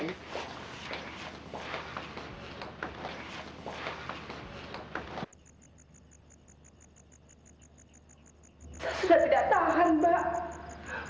kita sudah tidak tahan mbak